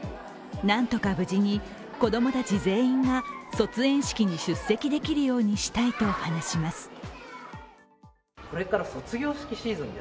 なんとか無事に、子供たち全員が卒園式に出席できるようにしたいと話します。